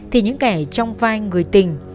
thì những kẻ trong vai người tình